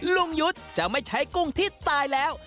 ลุงยุทธ์จะไม่ใช้กุ้งที่ตายแล้ว